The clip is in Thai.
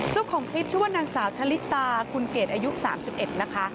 เจ้าของคลิปชื่อว่านางสาวชะลิตาคุณเกรดอายุ๓๑นะคะ